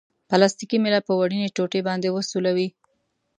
پلاستیکي میله په وړیني ټوټې باندې وسولوئ.